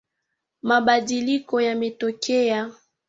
Mabadiliko yametokea